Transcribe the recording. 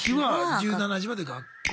１７時まで学校。